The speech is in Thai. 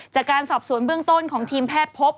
จากการสอบสวนเบื้องต้นของทีมแพทย์พบ